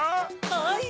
はい！